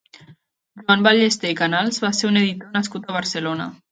Joan Ballester i Canals va ser un editor nascut a Barcelona.